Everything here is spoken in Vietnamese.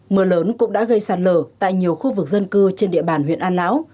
mưa lớn cũng đã gây sạt lở tại nhiều khu vực dân cư trên địa bàn huyện an lão